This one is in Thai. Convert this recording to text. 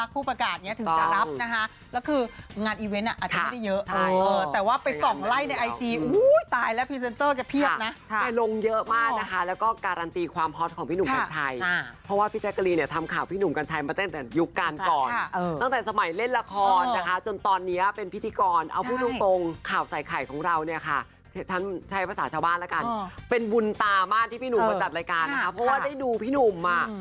คือก็ไม่ถึงกับเรคแต่ว่าตอนนี้ขอก่อนแป๊บนึง